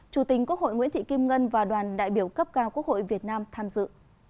chủ tình quốc hội nguyễn thị kim ngân và đoàn đại biểu cấp cao quốc hội việt nam tham dự